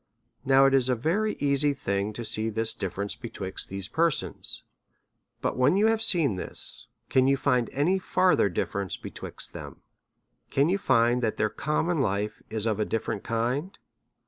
Now, it is a very easy thing to see this difference betwixt these persons. But when you have seen this, can you find any further difference betwixt them ? Can you find that their common life is of a dif ferent kind?